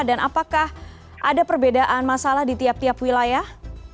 dan apakah ada perbedaan masalah di tiap tiap wilayah